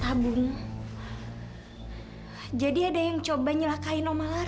tabung jadi ada yang coba nyelakai nomor